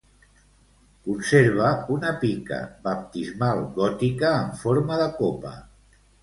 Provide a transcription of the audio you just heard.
Conserva una pica baptismal gòtica en forma de copa.